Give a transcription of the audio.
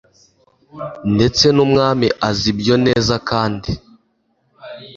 ndetse n umwami azi ibyo neza kandi